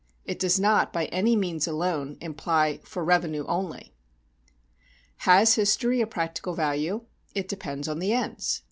It does not by any means alone imply "for revenue only." Has history a practical value? It depends on the ends.